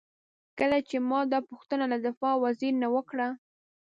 کله چې ما دا پوښتنه له دفاع وزیر نه وکړه.